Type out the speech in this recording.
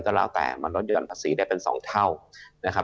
ก็แล้วแต่มาลดยอดภาษีได้เป็น๒เท่า